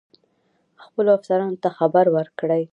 خپلو افسرانو ته خبر ورکړی.